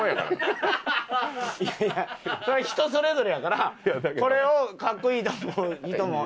いやいやそれは人それぞれやからこれをかっこいいと思う人も。